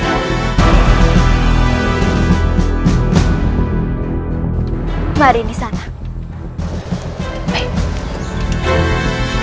jangan lupa subscribe like komen dan share